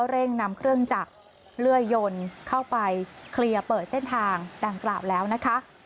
เรื่อยยนเข้าไปเคลียร์เปิดเส้นทางดังกราบแล้วนะคะ